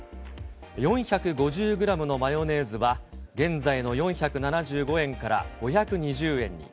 ４５０グラムのマヨネーズは、現在の４７５円から５２０円に。